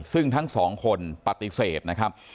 ซึ่งทั้งสองคนปฏิเสธนะครับ